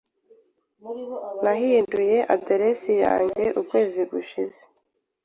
Nahinduye aderesi yanjye ukwezi gushize.